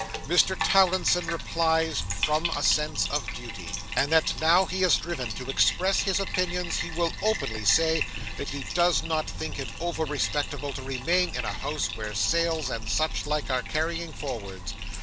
Mr Towlinson replies, from a sense of duty; and that now he is driven to express his opinions, he will openly say, that he does not think it over respectable to remain in a house where Sales and such like are carrying forwards.